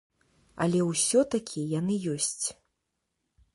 Але ўсё-такі яны ёсць.